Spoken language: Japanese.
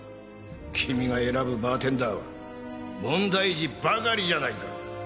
君が選ぶバーテンダーは問題児ばかりじゃないか！